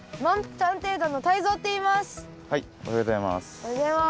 おはようございます。